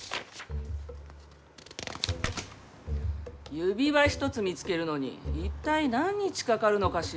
指輪一つ見つけるのに一体何日かかるのかしら。